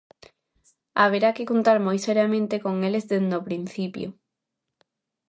Haberá que contar moi seriamente con eles dende o principio.